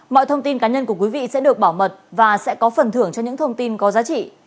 mọi thông tin cá nhân của quý vị sẽ được bảo mật và sẽ có phần thưởng cho những thông tin có giá trị